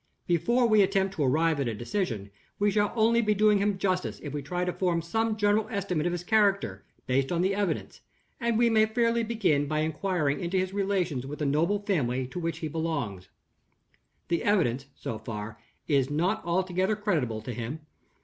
Before we attempt to arrive at a decision, we shall only be doing him justice if we try to form some general estimate of his character, based on the evidence and we may fairly begin by inquiring into his relations with the noble family to which he belongs. The evidence, so far, is not altogether creditable to him.